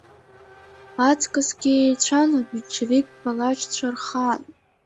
Аҵкысгьы еицәан аменшевик палачцәа рхаан.